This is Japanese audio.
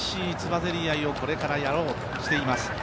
ぜり合いをこれからやろうとしています。